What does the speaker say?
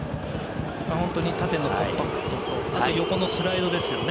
縦のコンパクトと横のスライドですよね。